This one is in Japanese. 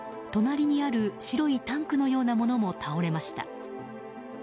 隣にある白いタンクのようなものも倒れました。